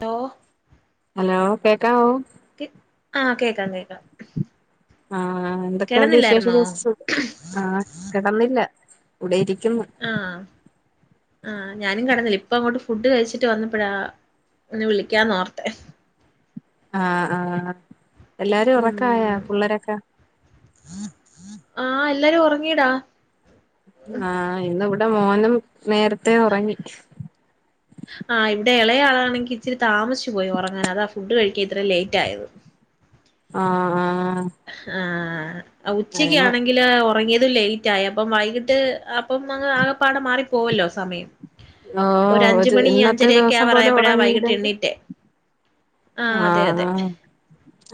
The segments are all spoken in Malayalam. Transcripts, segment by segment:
തൊ ഹലോ കേക്കാവൊ ക് ആഹ് കേക്കാം കേക്കാം. ആഹ് ആഹ് എന്തൊക്കൊണ്ട് കിടന്നില്ലായിരുന്നോ വിശേഷം [unintelligible] ആഹ് കെടന്നില്ല [unintelligible] ആഹ് ആഹ് ഞാനും കടന്നില്ല ഇപ്പ അങ്ങോട്ട് ഫുഡ് കഴിച്ചിട്ട് വന്നപ്പഴാ ഒന്ന് വിളിക്ക [unintelligible] ആഹ് ആഹ് എല്ലാരും ഉറക്കായ ഉം പിള്ളരൊക്കെ ആഹ് എല്ലാരും ഉറങ്ങീടാ ആഹ് [unintelligible] ഇവിടെ മോനും നേരത്തേ ഉറങ്ങി ആഹ് ഇവിടെ ഇളയയാളാണെങ്കിൽ ഇച്ചിരി താമസിച്ചു പോയി ഉറങ്ങാൻ അതാ ഫുഡ് കഴിക്കാ ഇത്ര ലേറ്റ് ആയത് ആഹ് ആഹ് ആഹ് ആ [unintelligible] ടൈമ് ഉച്ചയ്ക്കണെങ്കില് തുടങ്ങിയതും ലേറ്റ് ആയ അപ്പം വൈകിട്ട് [unintelligible] [unintelligible] ആക പാട മാറി പോവല്ലോ സമയം [unintelligible] അഞ്ച് ഒരു മണി ഇന്നത്തെ അഞ്ചരയൊക്കെ ദിവസം പോലെ ആവാറായപ്പോഴാ ഉറങ്ങീല വൈകിട്ട് [unintelligible] എണ്ണീറ്റെ അതെ ആഹ് അതെ ആയ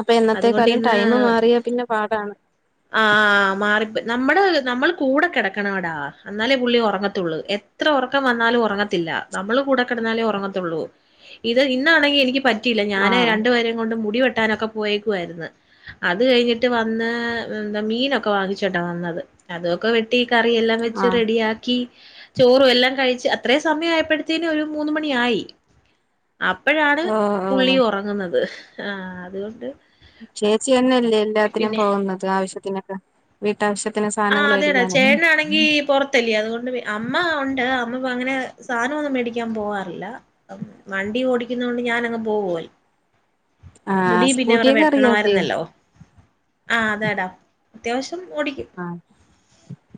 അപ്പൊ അതുകൊണ്ട് എന്നത്തെക്കാലം ടൈം മാറിയാ പിന്നെ പാടാണ് ആഹ് ആഹ് ആ മാറി [unintelligible] നമ്മള് നമ്മൾ കൂടെ കിടക്കണടാ എന്നാലേ പുള്ളി ഉറങ്ങത്തുള്ളൂ എത്ര ഉറക്കം വന്നാലും ഉറങ്ങത്തില്ല നമ്മൾ കൂടെ കിടന്നാലേ ഉറങ്ങത്തുള്ളൂ ഇത് ഇന്നാണെങ്കിൽ എനിക്ക് പറ്റ [unintelligible] ഞാന് ആഹ് രണ്ടുപേരെം കൊണ്ട് മുടിവെ [unintelligible] [unintelligible] ട്ടാനൊക്കെ പോയേക്കുവാരുന്ന് അത് കഴിഞ്ഞിട്ട് വന്ന് [unintelligible] എന്താ മീനൊക്കെ വാങ്ങിച്ചോണ്ട വന്നത് അതൊക്കെ വെട്ടി കറിയെല്ലാം വെച്ച് ആഹ് റെഡിയാക്കി ചോറും എല്ലാം കഴിച്ച് അത്രയ സമയം ആയപ്പോഴത്തേന് ഒരു മൂന്ന മണി ആയി അപ്പഴാണ് ഓഹ് പുള്ളി ഓഹ് ഉറങ്ങുന്നത് ആഹ് അതുകൊണ്ട് ചേച്ചി തന്നല്ലേ എല്ലാത്തിനും പിന്നെ പോകുന്നത് ആവശ്യത്തിന് വീട്ടാവശ്യ ആഹ് അതെയടാ ചേ [unintelligible] ആണെങ്കി പൊറത്തല്ല്യൊ അതുകൊണ്ട് [unintelligible] അമ്മ ഉണ്ട് [unintelligible] അങ്ങനെ സാധനവൊന്നും മേടിക്കാൻ പോവാറില്ല വണ്ടി ഓടിക്കുന്ന കൊണ്ട് ഞാനങ്ങ് പോ [unintelligible] ആഹ് സ്കൂട്ടിയൊക്കെ അറിയാല്ലേ ആഹ് അതെടാ അത്യാവശ്യം [unintelligible] ഓടിക്കും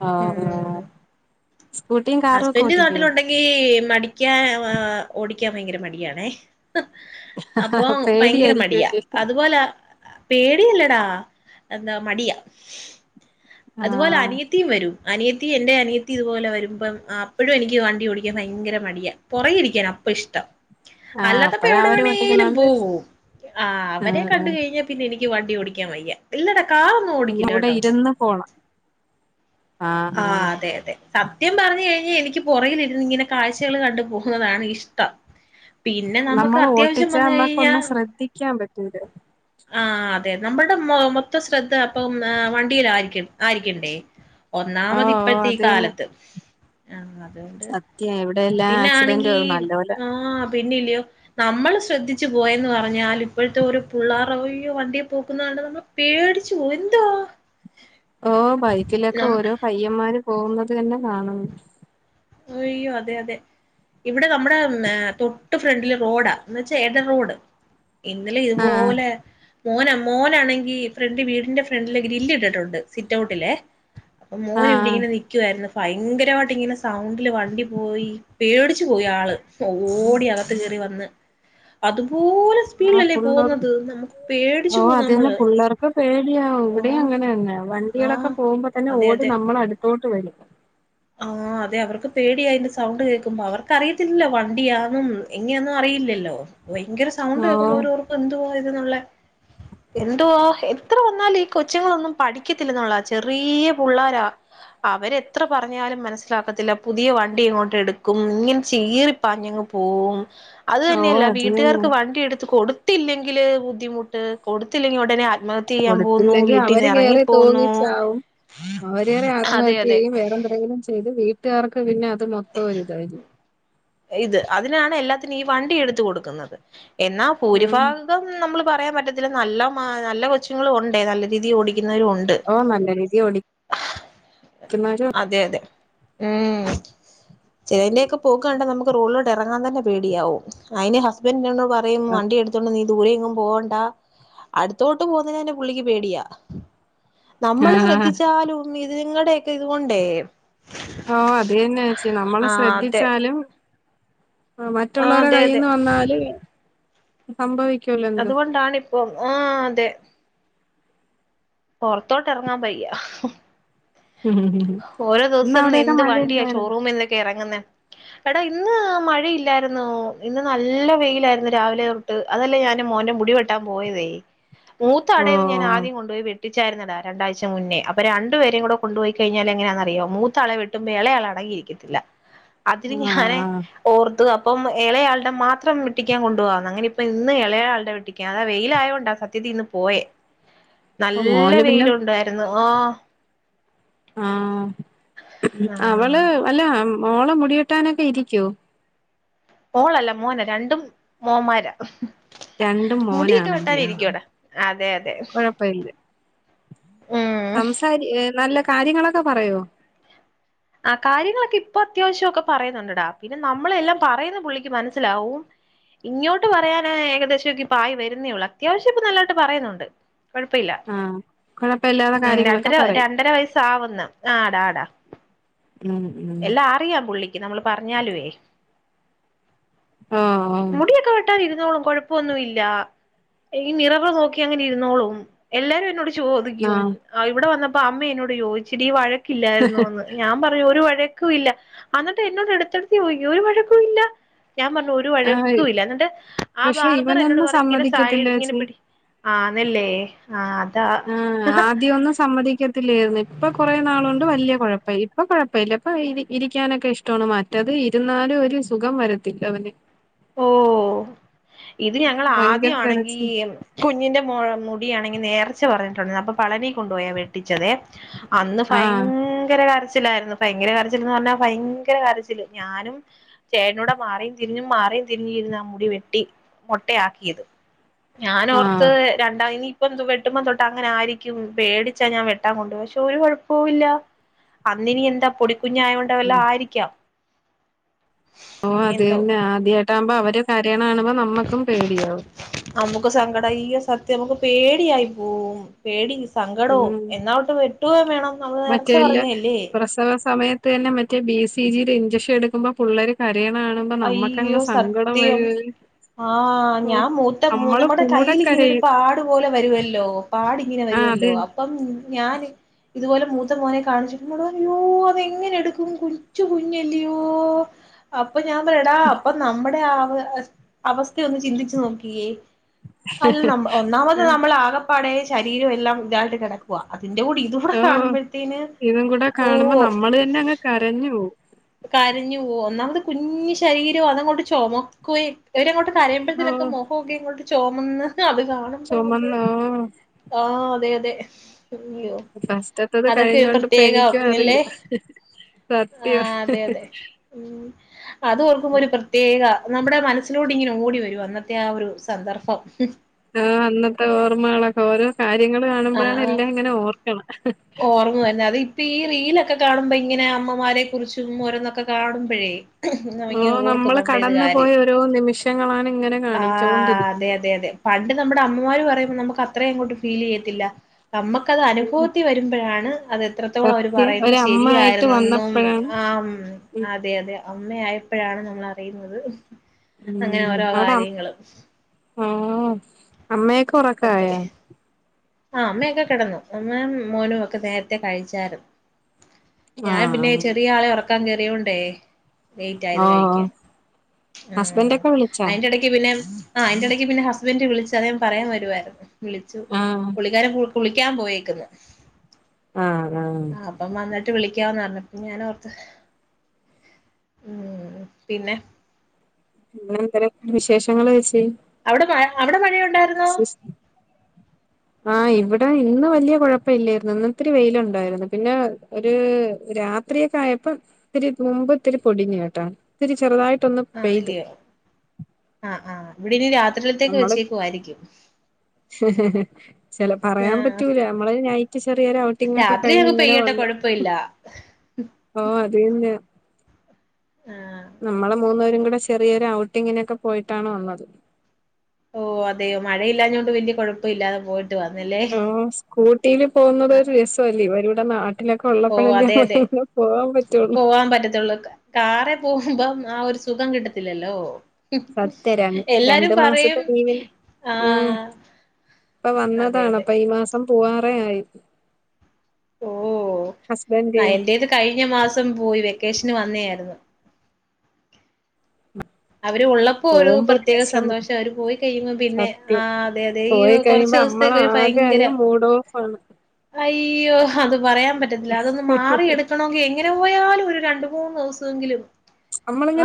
ആ ഓ ഉം ഹസ്ബൻഡ് നാട്ടില് ഉണ്ടെങ്കി പഠിക്കാൻ ഓടിക്കാൻ ഭയങ്കര മടിയണേ അപ്പ ഭയങ്കര മടിയാ പേടിയായിരിക്കുംല്ലേ അതുപോലെ പേടി പേടില്ലെടാ എന്താ മടിയ. അതുപോലെ ആഹ് അനിയത്തിയും വരും അനിയത്തി എന്റെ അനിയത്തി ഇതുപോലെ വരുമ്പം അപ്പോഴും എനിക്ക് വണ്ടി ഓടിക്കാൻ ഭയങ്കര മടിയാ പുറക ഇടിക്കാൻ അപ്പ ഇഷ്ടം. ആഹ് അല്ലാതപ്പോ അപ്പഴ എവിടെ അവര് വേണെേങ്കിലും ഓട്ടിക്കണോണ്ട് പോവും ആ അവരെ ആഹ് കണ്ട ആഹ് കഴിഞ്ഞാ പിന്നെ എനി വണ്ടി ഓടിക്കാൻ വയ്യ ഇല്ലട കാറൊന്നും പിന്നെ ഓടിക്കില്ല ഇവിടെ കേട്ടോ ഇരുന്ന് പോണം ആഹ് ആ ആഹ് അതെ അതെ സത്യം പറഞ്ഞു കഴിഞ്ഞാ എനിക്ക് പുറകലിരുന്ന് ഇങ്ങനെ കാഴ്ചകൾ കണ്ടുപോകുന്നതാണ് ഇഷ്ടം. പിന്നെ നമുക്ക് നമ്മൾ അത്യാവശ്യം ഓട്ടിച്ചാ വന്ന് നമ്മക്ക് കഴിഞ്ഞാ ഒന്നും ശ്രദ്ധിക്കാൻ പറ്റൂല്ല. ആഹ് നമ്മുടെ മൊത്ത ശ്രദ്ധ അപ്പം വണ്ടിൽ ആയിരിക്ക ആയിരിക്കണ്ടേ ഒന്നാമത് ഓഹ് ഓഹ് ഇപ്പോഴത്തെ ഈ അത് തന്നെ കാലത്ത് ആഹ് അതുകൊണ്ട് സത്യം എവിടെയെല്ലാം പിന്നെ ആക്സിഡന്റ് ആണെങ്കി നല്ല പോലെ ആഹ് പിന്നല്ലയോ നമ്മൾ ശ്രദ്ധിച്ചു പോയന്ന് പറഞ്ഞാൽ ഇപ്പോഴത്തെ ഒരു പിള്ളേറോ വണ്ടിയ പോക്കുന്നത് കണ്ട് നമ്മൾ പേടിച്ചു പോ എന്തോ ഓ ഭായി ബൈക്കിലൊക്കെ ഓരോ പയ്യന്മാരും പോകുന്നത് തന്നെ കാണും അയ്യോ അതെ അതെ ഇവിടെ നമ്മുടെ തൊട്ട് ഫ്രണ്ടില് റോഡാ എന്നന്ന് വച്ചാ റോഡ് ഇന്നലെ ആഹ് ഇതുപോലെ മോന മോനാണെങ്കിൽ ഫ്രണ്ട് വീടിന്റെ ഫ്രണ്ടില ഗ്രിൽ ഇട്ടിട്ടുണ്ട് സിറ്റ് ഔട്ടിലെ അപ്പൊ മോൻ ഇവിടെ ആഹ് ഇങ്ങനെ നിക്കുവായിരുന്നു. ഭയങ്കരമായിട്ട് ഇങ്ങനെ സൗണ്ടില് വണ്ടി പോയി പേടിച്ചു പോയി ആള് ഓടി അകത്ത് കയറി വന്ന് അതും പിള്ളേർ ഓ പേടിച്ചു പോവും അത് തന്നെ നമ്മള്. പിള്ളേർക്ക് പേടിയാ ഇവിടെയും ആഹ് അങ്ങനെ തന്നെ വണ്ടികളൊക്കെ ആഹ് പോകുമ്പോ തന്നെ ഓടി നമ്മളടുത്തോട്ട [unintelligible] ആഹ അതെ അവർക്ക് പേടി അതിന്റെ സൗണ്ട് കേ ക്കുമ്പോ അവർക്കറിയത്തില്ലോ വണ്ടിയാന്നും എങ്ങനെയന്നും അറിയില്ലല്ലോ. ഭയങ്കര സൗണ്ട് ഓഹ് കേക്കുമ്പോ അവര് ഓർക്കും എന്തുവാ [unintelligible] എന്തുവാ എത്ര വന്നാല ഈ കൊച്ചുങ്ങളൊന്നും പഠിക്കത്തില്ലന്നുള്ളാ ചെറിയ പിള്ളാരാ അവരെത്ര പറഞ്ഞാലും മനസ്സിലാക്കത്തില്ല പുതിയ വണ്ടി ഇങ്ങോട്ട് എടുക്കും ഇങ്ങനെ ചീറിപ്പാഞ്ഞങ്ങ് പോകവും അത് ഓ തന്നെയല്ല അത് തന്നെ വീട്ടുകാർക്ക് വണ്ടി എടുത്ത് കൊടു ത്തില്ലെങ്കില് ബുദ്ധിമുട്ട് കൊടുത്തില്ലെങ്കിൽ ഉടനെ ആത്മഹത്യ ചെയ്യാൻ പോകുന്നു കൊടുത്തില്ലെങ്കിൽ വീട്ടിന്ന് അവര് ഇറങ്ങി കേറി പോകുന്നു തൂങ്ങിച്ചാവും അവരേറെ അതെ ആത്മഹത്യ അതെ ചെയ്യും വേറെന്ത ന്തേലും ചെയ്ത് വീട്ടുകാർക്ക് പിന്നെ അത് മൊ ഇത് അതിനാണ് എല്ലാ ന് ഈ വണ്ടി എടുത്ത് കൊടുക്കുന്നത് എന്നാ ഉം ഭൂരിഭാഗം നമ്മള് പറയാൻ പറ്റത്തില്ല നല്ല മ നല്ല കൊച്ചുങ്ങളുണ്ടെ നല്ല രീതിൽ ഓടി ഓ നല്ല രീതി ഓടി അതെ അതെ ഏ ചിലതിന്റെ ഒക്കെ പോക്‌ കാണ്ട നമുക്ക് റോഡിലോട്ട് ഇറങ്ങാൻ തന്ന പേടിയാവും അയ്യ്ന് ഹസ്ബന്റി പറയും വണ്ടിയെടുത്തു കൊണ്ട് നീ ദൂരെ എങ്ങും പോണ്ടാ അടുത്തോട്ട് പോന്നേനുതന്നെ പുള്ളിക്ക് പേടിയാ നമ്മൾ ആഹ് ശ്രദ്ധിച്ചാലും ഉ നിങ്ങടെ ഇതുകൊണ്ടേ ഓ അത് തന്നെ എച്ചി നമ്മള് ആഹ് അതെ ശ്രദ്ധിച്ചാലും ആ ആഹ് മറ്റുള്ളരെ അതെ അതെ കൈന്ന് വന്നാല് സംഭവി അതുകൊണ്ടണിപ്പോ ആ അതെ പൊറത്തോട്ട് ഇറങ്ങാൻ വയ്യ ഓരോ ഇന്ന് ദിവസം അവിടെയൊക്കെ എന്ത് വണ്ടിയാ മഴയുണ്ടായിരുന്നോ ഷോറൂമിൽ നിന്നൊക്കെ ഇറങ്ങുന്ന എടാ ഇന്ന് മഴയില്ലായിരുന്ന ഇന്ന് നല്ല വെയിലായിരുന്നു രാവിലെ തൊട്ട് അതല്ലേ ഞൻ മോന്റെ മുടി വെട്ടാൻ പോയതേ മൂത്ത ഓ അടയത് ഞാൻ ആദ്യം കൊണ്ടുപോയി വേട്ട ച്ചായിരുന്നഡാ രണ്ടാഴ്ച മുന്നേ അപ്പൊ രണ്ടുപേരെയും കൊണ്ടുപോയി കഴിഞ്ഞാൽ എങ്ങനാന്നറിയോ മൂത്താളെവെട്ടുമ്പോ ഇളയാള അടങ്ങി ഇരിക്കത്തില്ല അതിന് ഞാനെ ആഹ് ഓർത്തത് അ ഇപ്പം ഇളയാൾടെ മാത്രം വെട്ടിക്കാൻ കൊണ്ട് പോകാന് അങ്ങനെ ഇപ്പം ഇന്ന് ഇളയാളുടെ വെട്ടിക്കാൻ അതാ വെയില ആയത് കൊണ്ടാണ് സത് തി [unintelligible] പോയെ ആഹ് നല്ല മോന് പിന്നെ വെയിലുണ്ടായിരുന്നു ഓഹ് ആഹ് ആഹ് അവള് അല്ല മോള് മുടിവെട്ടാനൊക്കെ ഇരിക്കോ മോളല്ല മോന രണ്ടും മോന്മാരാ രണ്ടും മോനാണല്ലെ ആ ആ അതെ അതെ കൊഴപ്പല്ല ഉം സംസാരി ഏഹ് നല്ല കാര്യങ്ങളൊക്കെ പറയോ? ആ കാര്യങ്ങളൊക്കെ ഇപ്പൊ അത്യാവശ്യെക്കെ പറയുന്നുണ്ട്ടാ പിന്നെ നമ്മളെല്ലാം പറയുന്ന പുള്ളിക്ക് മനസ്സിലാവും ഇങ്ങോട്ട് പറയാന ഏകദേശം പ്പം ആയി വരുന്നേ ഒള്ളൂ അത്യാവശ്യം ഇപ്പൊ നല്ലായിട്ട് പറയുന്നുണ്ട് കൊഴപ്പില്ല ആഹ് കുഴപ്പമില്ലാത്ത ഉം കാര്യങ്ങളൊക്കെ രണ്ടര പറയും രണ്ടര വയസ്സ് ആവുന്ന് ആടാ ആടാ ഉം ഉം എല്ലാം അറിയാം പുള്ളിക്ക് നമ്മൾ പറഞ്ഞാലുവേ ആഹ് ആ കൊഴപ്പൊന്നുല്ല ഈ നിറവ് നോക്കി അങ്ങനെ ഇരുന്നോളും എല്ലാരും എന്നോട് ചോദിക്കും ആഹ് ആ ഇവിടെ വന്ന അമ്മ എന്നോട് യോച്ച്ടി വഴ ഇല്ലായിരുന്നു വന്ന് പറയൂ ഒരു വഴക്കുല്ല അന്നിട്ട് എന്നോട് അടുത്തെടുത്തി പോയി ഒരു വഴക്കു ഇല്ല ഞാൻ പറഞ്ഞു ഒരു ആഹ് വഴക്കുല്ല ന്നിട്ട് ആഹ് പക്ഷെ ബാർബർ എന്നോട് ഇവനൊന്നും പറഞ്ഞു ഇങ്ങനെ സ ഇങ്ങനെ സമ്മതിക്കത്തില്ലേച്ചി പിടി ആന്നല്ലേ ആഹ് ആഹ് ആദ്യം ഒന്നും സമ്മതിക്ക ത്തില്ലർന്ന് ഇപ്പൊ കോറെ നാളൊണ്ട് വല്യ കൊഴപ്പ ഇപ്പൊ കൊഴപ്പമല്ല ഇപ്പൊ ഇ ഇരിക്കാനൊക്കെ ഇഷ്ടമാണ് മറ്റത് ഇരുന്നാലും ഒരു സുഖം വരത്തില്ല അവന് ഓഹ് ഇത് ഞങ്ങൾ ഭയങ്കര ആദ്യണെങ്കി കരച്ചിൽ കുഞ്ഞിന്റെ മോ ടിയണെങ്കി നേർച്ച പറഞ്ഞിട്ടുണ്ട് അപ്പൊ പളനി കൊണ്ടു പോയാ വെട്ടിച്ചതെ അന്ന് ആഹ് ഭയങ്കര കര ഭയങ്കര കരച്ചിലർന്ന് പറഞ്ഞാ ഭയങ്കര കരച്ചില് ഞാനും ചേട്ടനുടെ മാറിയും തിരിഞ്ഞും മാറിം തിരിഞ്ഞിരുന്ന ആ മുടി വെട്ടി മൊട്ടയാക്കിയത് ഞൻ ഓർത്ത് ആഹ് രണ്ടയിനി ഇപ്പ വെട്ടുമ്പോം തൊട്ട് അങ്ങനെ ആയിരിക്കും പേടിച്ചാ ഞാൻ വെട്ടാ കൊണ്ട്പ പോയി പക്ഷെ ഒരു കുഴപ്പവില്ല അന്നിനി എന്താ പൊടിക്കുഞ്ഞ ആയതോണ്ട് വല്ലാം ആയിരിക്കാം ഓ എന്തോ അതന്നെ ആദ്യട്ടാകുമ്പോ അവ കാര്യനാ കാണുമ്പോ നമ്മുക്കും പേടിയാവും നമുക്ക് സങ്കട ഈ സത്യം നമുക്ക് പേടിയായി പോവും പേടി സങ്കടവും ഉം എന്നാവട്ട് വെട്ടുക വേണം നമ്മള് എറച്ചി പറഞ്ഞല്ലേ അതെന്നെ ബി സി ജി ടെ ഇൻ ജെക്ഷൻ എടുക്കുമ്പോ പുള്ളേര് കര് അയ്യോ സത്യം വരും ആഹ് ഓ ഞാൻ മൂത്ത നമ്മള് നമ്മുടെ കൂടെ കയ്ൽ ഇങ്ങനെ ഒരു കരയും പാടു പോലെ വരുല്ലോ പാടി ഇങ്ങനെ ആ അത് വരുവല്ലോ അപ്പം ഞാന് ഇതുപോലെമൂത്തമോനെകാണിച്ചിട്ട് യോ അതെങ്ങനെ എടുക്കും കൊച്ച് കുഞ്ഞല്ല്യോ? അപ്പൊ ഞാൻ പറയും ടാ അപ്പൊ നമ്മുടെ ആ അവസ്ഥ ഒന്ന് ചിന്തിച്ചു നോക്കിയേ അല്ല നമ്മ ഒന്നാമത് നമ്മൾ ആക ഇപ്പനെ ശരീരം എല്ലാം ഇതായിട്ട് കിടക്കുവാ അതിന്റെ കൂടി ഇതൂടെ ഓ കാണുമ്പോഴത്തേന് ഇതും കൂടെ ഓ കാണുമ്പോ നമ്മള് തന്നെ അങ്ങ് കരഞ്ഞു പോവും കരഞ്പോകും ഒന്നാമത് കുഞ്ഞ് ശരീരവുഅതങ്ങോട്ട് ചുമാക്‌വേ തെ ഓ കാര്യ്പഴത്തിനക്കെ മോഖക്കെങ്ങട്ട് ചൊമന്ന് അത് കാണുമ്പം നമ്മക്ക് ചുമന്ന് ഓ ആഹ് അതെ അതെ അയ്യോ ഫസ്റ്റത്തത് അതൊക്കെ ഒരു കഴിഞ്ഞൊണ്ട് ഇപ്പോ പ്രത്യേക എനിക്കും അറിയ അല്ലേ സത്യവാ ആഹ് അതെ അതെ ഉ അത് ഓർക്കുമ്പോ ഒരു പ്രത്യേക നമ്മുടെ മനസ്സിലോട്ട് ഇങ്ങനെ ഓടി വരും അന്നത്തെ ആ ഒരു സന്ദർഭം ആഹ് അന്നത്തെ ഓർമ്മകളൊക്കെഓരോ കാര്യ കാര്യങ്ങൾ കാണുമ്പോഴാണ് ആഹ് എല്ലാം ഇങ്ങനെ ഓർക്കണ ഓർമ്മ തന്നെ അത് ഇപ്പി ഈ റിലൊക്കെ കാണുമ്പോ ഇങ്ങനെ അമ്മമാരെ കുറിച്ചും ഓരോന്നൊക്കെ കാണുമ്പഴേ ഓ നമ്മള് കടന്നു പോയ ഇങ്ങനെഓർക്കുംനമ്മുടെത്കാര്യം ഓരോ നിമിഷങ്ങളാണ് ഇങ്ങനെ കാണിച്ചോണ്ടിരിക്കുന്നത് ആഅതെഅതെഅതെപണ്ട് നമ്മുടെ അമ്മമാര് പറയുമ്പോൾ നമുക്ക് അത്രയും അങ്ങോട്ട് ഫീൽ ചെയ്യത്തില്ല നമ്മുക്ക അത് അനുഭവ യാണ് അതെത്രത്തോളം അവര് സത്യം പറയുന്ന ഒരമ്മ ആയിട്ട് ശരിയായിരുന്നും വന്നപ്പോഴാണ് ആം ഉം അതെ അതെ അമ്മയായപ്പഴാണ് നമ്മളറിയുന്നത് അങ്ങനെ ഉം ഓരോ അവിടെ അം കാര്യങ്ങളും ആഹ് അമ്മയൊക്കെ അതെ ഉറക്കായോ ആ അമ്മെക്കെ കെടന്നു മ്മേം മോനും ഒക്കെ നേരത്തെ കഴിച്ചായിരുന്നു ഞാൻ പിന്നെ ആഹ് ചെറിയ ആളെ ഒറ ക്കങ്കറി ഉണ്ടേ ലേറ്റ് ഓ ആയത് കഴിക്കാൻ ഹസ്ബൻഡ് ആഹ്‌ ഒക്കെ വിളിച്ചാ അതിന്റെ എടക്ക് പിന്നെ ആ അയിന്റെ എടക്ക് പിന്നെ ഹസ്ബന്റ് വിളിച്ച് അത് ഞാൻ പറയാൻ വരു രുവാരുന്നു വിളിച്ചു ആഹ് പുള്ളിക്കാരൻ [unintelligible] കുളിക്കാൻ പോയേക്കുന്നു ആഹ് ആഹ് ആ അപ്പം വന്നിട്ട് വിളിക്ക ക്കാന് പറഞ്ഞപ്പോ ഞാൻ ഓർത്ത് ഉം പിന്നെ അങ്ങനെ എന്തെര് വിശേഷങ്ങള് ഏച്ചി അവിടെ മഴ അവിടെ മഴയു [unintelligible] ആ ഇവ് ഇവിടെ ഇന്ന് വലിയ കൊഴപ്പല്ലായിരുന്നു ഇന്ന് ഇത്തിരി വെയിലുണ്ടായിരുന്നു പിന്നെ ഒരു രാത്രിയൊക്കെ ആയപ്പം ഇത്തിരി മുമ്പ് ഇത്തിരി പൊടിഞ്ഞ് കേട്ടോ ഇത്തിരി ചെറുതായി ആ അതില്ല്യോ ആ ആ ഇവിടിനി രാ നമ്മള് ചെല പറയാൻ ആഹ് പറ്റൂല നമ്മള് നൈറ്റ്‌ ചെറിയൊരു ഔട്ടിങ് ഒക്കെ രാത്രി കഴിഞ്ഞ് അങ്ങ് ങ്ങനെ പെയ്യട്ടെ വന്ന് കൊഴപ്പയില്ല ഓ അതുതന്നെ ആഹ് നമ്മള് മൂന്ന് പേരും ഇവ്ടെ ചെറിയൊര് ഔട്ടിങ്ങിനൊക്കെ പോയിട്ടാണ് വന്നെത്. ഓ അതെയോ മഴയില്ലാഞ്ഞോണ്ട് വല്ല്യ കൊഴപ്പം ഇല്ലാതെ പോ ആഹ് സ്കൂട്ടിയിൽ പോവുന്നെത് ഒര് രസ അല്ലെ? വരു [unintelligible] ഓ അതെ അതെ പറ്റുള്ളൂ പോവാൻ പറ്റത്തുള്ളൂ കാറേൽ പോകുമ്പം ആ ഒരു സുഖം കിട്ടത്തില്ലല്ലോ സത്യം രണ്ട് എല്ലാരും രണ്ടു പറയും മാസത്തെ ലീവിൽ ഏഹ് ആഹ് ഇപ്പോ അതെ അതെ വന്നതാണപ്പോ ഈ മാസം പോവാറെ ആയി ഓ ഹസ്ബൻഡ് ആ എന്റേത് കഴിഞ്ഞ മാസം പോയി വേ ക്കേഷെന് വന്നെയായ്രുന്നു. അവര് ഉള്ളപ്പോ ഒരു പോകുമ്പോ പ്രത്യേക വിഷമം സന്തോഷാ അവര് പോയി കഴിയുമ്പോ പിന്നെ സത്യം ആഹ് അതെ അതെ അയ്യോ പോയി കൊറച്ച് കഴിയുമ്പോ നമ്മള ദുവ്സ്ത്തേക്ക് ഒരു ആകെ ഭയങ്കര അങ്ങ് മൂഡ് ഓഫ് ആണ് അയ്യോ അത് പറയാം പറ്റത്തില്ല അതൊന്ന് മാറി എടുക്കണോങ്കി എങ്ങന പോയാലും ഒരു രണ്ട് മൂന്ന് ദിവസമെങ്കിലും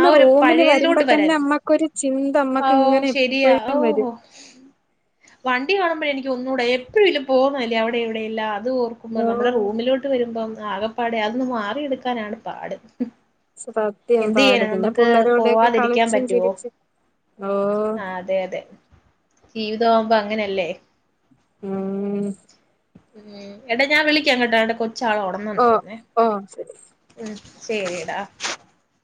ആ ഒരു റൂമില് വരുമ്പോ പഴയതിലോട്ട് തന്നെ വരാൻ മ്മക്കൊരു ചിന്ത ഓ മ്മക്ക് ഇങ്ങനെ ശരിയാ എപ്പഴും വരും ഓ വണ്ടി കാണുമ്പോഴെ എനിക്ക് ഒന്നുകൂടെ എപ്പഴും ഇതിലെ പോകുന്നല്ലേ അവിടെ ഇവിടെയെല്ലാം അത് ഓർക്കുമ്പോൾ നമ്മള ഓ റൂമിലോട്ട് വരുമ്പം ആകപ്പാടെ അതൊന്ന് മാറി എടുക്കാനാണ് പാട് സത്യം എന്ത് പാട് ചെയ്യാനാ പിന്നെ നമുക്ക് പിള്ളരോടൊക്കെ പോവാതിരിക്കാൻ കളിച്ചും പറ്റുവോ ചിരിച്ചും ഓ [unintelligible] ജവിതാകുമ്പോ അങ്ങനെയല്ലേ ഉം എടാ ഞാൻ വിളിക്കാം കേട്ടോ ദാണ്ടെ കൊ ച്ചാള് ഉണർന്നെന്ന് ഓ തോന്നുന്നേ ഓ ശരി ശരിയെടാ